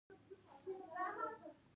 ناول د میلیونونو انسانانو لپاره الهام شو.